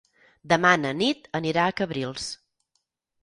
Demà na Nit anirà a Cabrils.